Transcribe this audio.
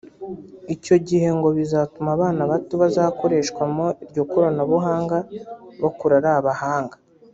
Icyo gihe ngo bizatuma abana bato bazakoreshwamo iryo koranabuhanga bakura ari abahanga